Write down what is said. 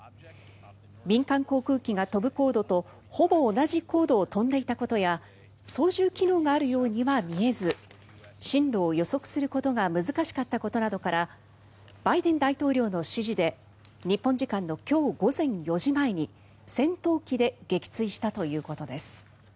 民間航空機が飛ぶ高度とほぼ同じ高度を飛んでいたことや操縦機能があるようには見えず進路を予測することが難しかったことなどからバイデン大統領の指示で日本時間の今日午前４時前に戦闘機で撃墜したということです。